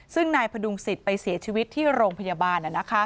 ซึ่งนายพดุงสิทธิ์ไปเสียชีวิตที่โรงพยาบาล